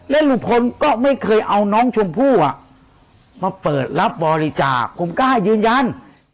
และลุงพลก็ไม่เคยเอาน้องชมพู่มาเปิดรับบริจาคผมกล้ายืนยัน